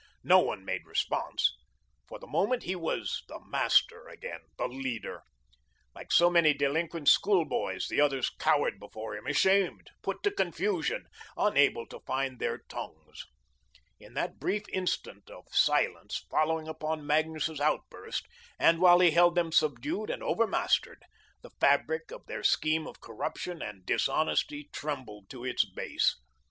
No one made response. For the moment he was the Master again, the Leader. Like so many delinquent school boys, the others cowered before him, ashamed, put to confusion, unable to find their tongues. In that brief instant of silence following upon Magnus's outburst, and while he held them subdued and over mastered, the fabric of their scheme of corruption and dishonesty trembled to its base.